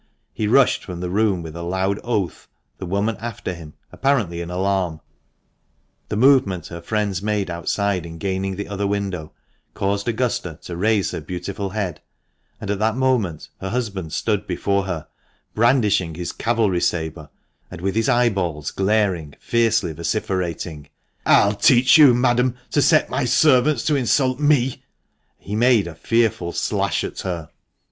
He rushed from the room with a loud oath, the woman after him, apparently in alarm. The movement her friends made outside in gaining the other window caused Augusta to raise her beautiful head, and at that moment her husband stood before her, brandishing his cavalry sabre, and with his eyeballs glaring, fiercely vociferating, " I'll teach you, madam, to set my servants to insult meT he made a fearful slash at her. 436 THE MANCHESTER MAN.